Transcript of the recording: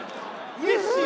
うれしい。